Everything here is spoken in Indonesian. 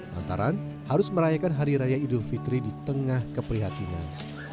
lantaran harus merayakan hari raya idul fitri di tengah keprihatinan